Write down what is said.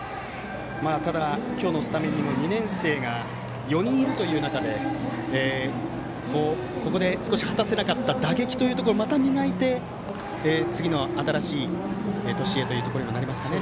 ただ、今日のスタメンにも２年生が４人いるという中でここで果たせなかった打撃をまた磨いて次の新しい年へということにもなりますね。